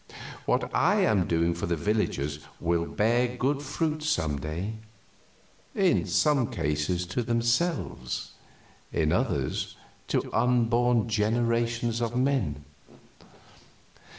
What I am doing for the villagers will bear good fruit some day; in some cases to themselves; in others, to unborn generations of men.